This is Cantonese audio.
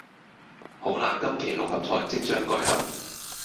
好喇今期六合彩即將舉行